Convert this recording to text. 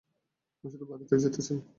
আমি শুধু বাড়িতে যেতে চাই!